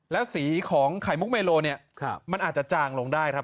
และสีของไข่มุกเมโลเนี่ยมันอาจจะจางลงได้ครับ